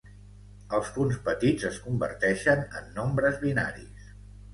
Els punts petits es converteixen en nombres binaris.